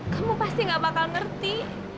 kamu pasti gak bakal ngerti